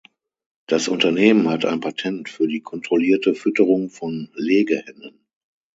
Das Unternehmen hat ein Patent für die kontrollierte Fütterung von Legehennen.